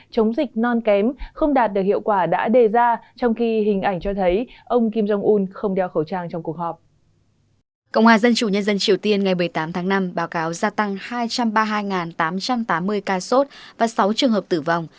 công an dân chủ nhân dân triều tiên ngày một mươi tám tháng năm báo cáo gia tăng hai trăm ba mươi hai tám trăm tám mươi ca sốt và sáu trường hợp tử vong